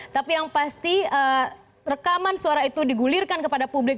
tapi yang pasti rekaman suara itu digulirkan kepada publik